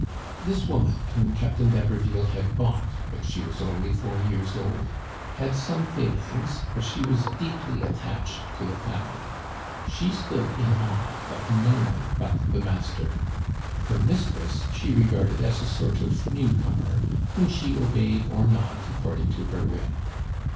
This woman, whom Captain d'Haberville had bought when she was only four years old, had some failings, but she was deeply attached to the family. She stood in awe of no one but the master. Her mistress she re garded as a sort of new comer, whom she obeyed or not according to her whim.